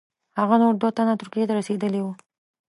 هغه نور دوه تنه ترکیې ته رسېدلي وه.